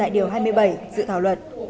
điều hai mươi bảy dự thảo luật